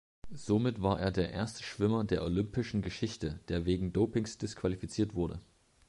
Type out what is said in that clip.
Somit war er der erste Schwimmer der olympischen Geschichte, der wegen Dopings disqualifiziert wurde.